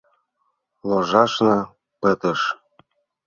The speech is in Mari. — Ложашна пытыш.